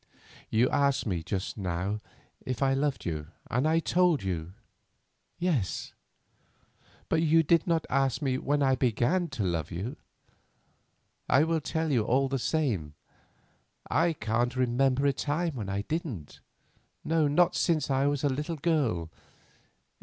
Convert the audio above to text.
"You asked me just now if I loved you, and I told you—Yes. But you did not ask me when I began to love you. I will tell you all the same. I can't remember a time when I didn't; no, not since I was a little girl.